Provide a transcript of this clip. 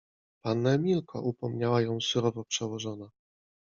— Panno Emilko! — upomniała ją surowo przełożona.